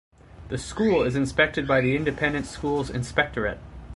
The School is inspected by the Independent Schools Inspectorate.